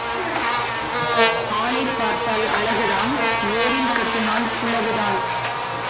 ஆளைப் பார்த்தால் அழகுதான் ஏரில் கட்டினால் குழவுதான்.